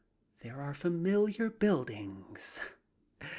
There are familiar buildings.